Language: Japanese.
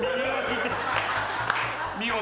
見事。